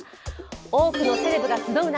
多くのセレブが集う中